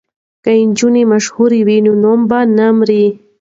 که نجونې مشهورې وي نو نوم به نه مري.